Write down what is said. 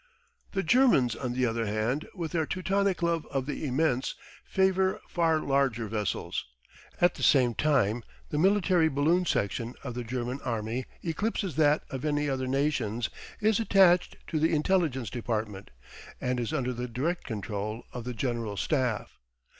The Germans, on the other hand, with their Teutonic love of the immense, favour far larger vessels. At the same time the military balloon section of the German Army eclipses that of any other nations is attached to the Intelligence Department, and is under the direct control of the General Staff.